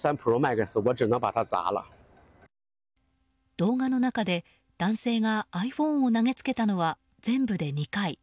動画の中で男性がｉＰｈｏｎｅを投げつけたのは全部で２回。